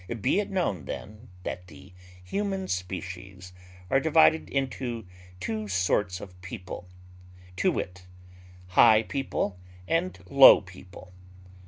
Be it known then, that the human species are divided into two sorts of people, to wit, high people and low people.